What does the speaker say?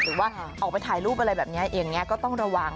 หรือว่าออกไปถ่ายรูปอะไรแบบนี้อย่างนี้ก็ต้องระวัง